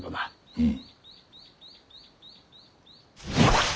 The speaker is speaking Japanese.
うん。